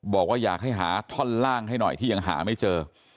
บอกว่าอยากให้หาท่อนล่างให้หน่อยที่ยังหาไม่เจอ